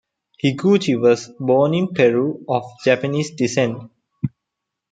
Higuchi was born in Peru of Japanese descent.